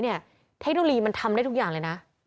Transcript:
เทคโนโลยีมันทำได้ทุกอย่างเลยนะ